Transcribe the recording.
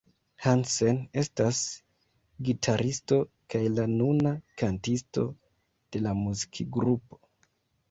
Hansen estas gitaristo kaj la nuna kantisto de la muzikgrupo.